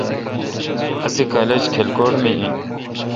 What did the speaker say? اسی کالج کھلکوٹ می این